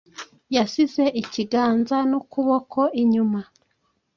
Yasize ikiganza nukuboko inyuma